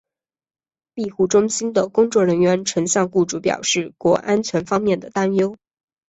庇护中心的工作人员曾向雇主表示过安全方面的担忧。